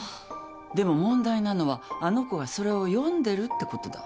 でも問題なのはあの子がそれを読んでるってことだ。